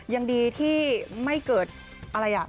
ยังดีที่ไม่เกิดอะไรอ่ะ